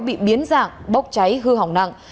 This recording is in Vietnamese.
bị biến dạng bốc cháy hư hỏng nặng